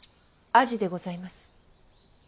アジでございます。